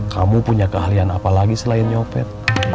kamu punya keahlian apa lagi selain nyopet